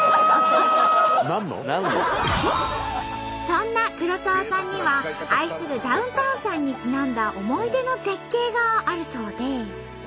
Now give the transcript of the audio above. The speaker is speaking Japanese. そんな黒沢さんには愛するダウンタウンさんにちなんだ思い出の絶景があるそうで。